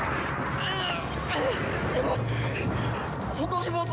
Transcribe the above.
あっ！